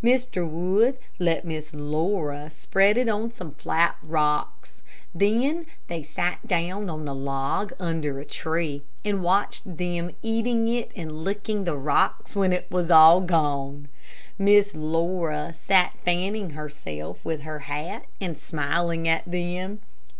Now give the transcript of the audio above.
Mr. Wood let Miss Laura spread it on some flat rocks, then they sat down on a log under a tree and watched them eating it and licking the rocks when it was all gone. Miss Laura sat fanning herself with her hat and smiling at them.